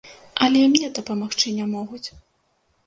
Але і мне дапамагчы не могуць.